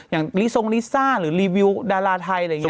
อย่างลิซงลิซ่าหรือรีวิวดาราไทยอะไรอย่างนี้